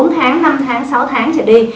bốn tháng năm tháng sáu tháng trở đi